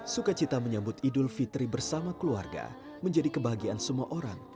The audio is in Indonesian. sukacita menyambut idul fitri bersama keluarga menjadi kebahagiaan semua orang